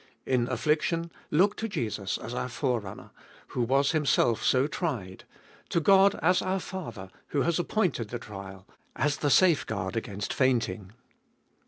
In affliction, look to Jesus as our Forerunner, who was Himself so tried ; to God as our Father, who has appointed the trial, as the safeguard against fainting.